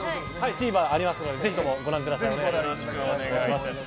ＴＶｅｒでありますのでぜひご覧ください。